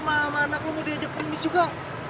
mama anak lo mau diajak ngemis juga